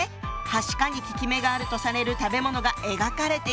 「はしか」に効き目があるとされる食べ物が描かれているわ。